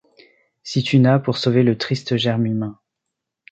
Si tu n’as, pour sauver le triste germe humain